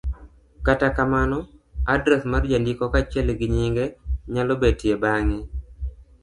Kata kamano, adres mar jandiko kaachiel gi nyinge nyalo betie bang'e,